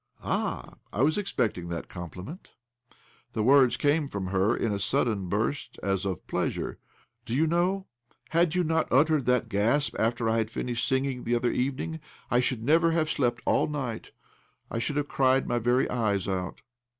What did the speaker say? ''Ah, I was expecting that compliment !" The words came from her in a sudden burst as of pleasure. " Do you know, had you not uttered that gasp after I had finished singing the other evening, I should never have slept all night — I should have cried my very eyes out."